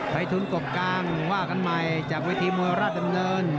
ไปทุนกบกลางว่ากันใหม่จากเวทีมวยราชดำเนิน